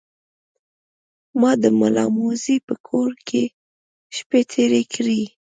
ما د ملامموزي په کور کې شپې تیرې کړې.